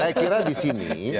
saya kira di sini